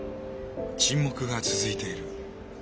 沈黙が続いている。